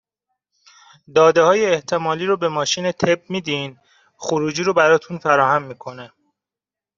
دادههای احتمالی رو به ماشین طِب میدین، خروجی رو براتون فراهم میکنه